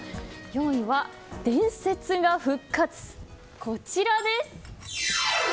４位は伝説が復活、こちらです。